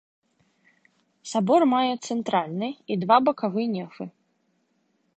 Сабор мае цэнтральны і два бакавы нефы.